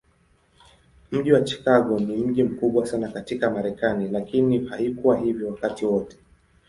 Mji wa Chicago ni mji mkubwa sana katika Marekani, lakini haikuwa hivyo wakati wote.